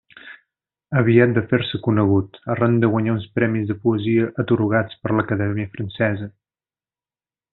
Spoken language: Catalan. Aviat va fer-se conegut arran de guanyar uns premis de poesia atorgats per l'Acadèmia Francesa.